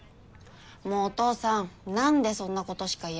もうお父さんなんでそんなことしか言えないの？